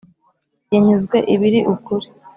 yanyuzwe ibiri ukuri